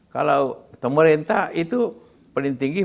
kalau pemerintah itu paling tinggi